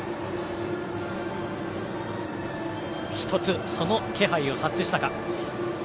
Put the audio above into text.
１つその気配を察知したか。